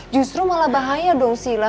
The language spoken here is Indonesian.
justru malah bahaya dong sila